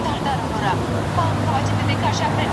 دغسې خبرې د ناوې وارخطايي نوره هم زياتوي.